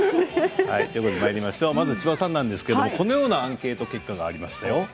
まず千葉さんですがこのようなアンケート結果がありましたよ。